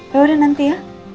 ya udah nanti ya